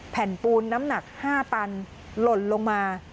แผ่นปูนน้ำหนัก๕ตันหล่นลงมา